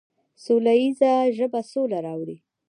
سوله ییزه ژبه سوله راوړي.